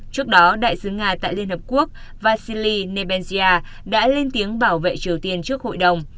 trước đó đại sứ nga tại liên hợp quốc vasili nebensia đã lên tiếng bảo vệ triều tiên trước hội đồng